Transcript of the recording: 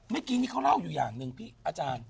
เมื่อกี้นี่เขาเล่าอยู่อย่างหนึ่งพี่อาจารย์